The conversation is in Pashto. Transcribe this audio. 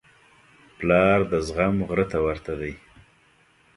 پلار د زغم غره ته ورته دی.